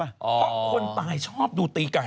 เพราะคนตายชอบดูตีไก่